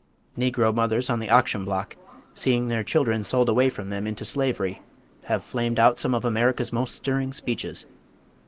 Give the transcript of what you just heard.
Negro mothers on the auction block seeing their children sold away from them into slavery have flamed out some of America's most stirring speeches.